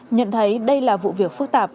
nhận thấy đây là vụ việc phức tạp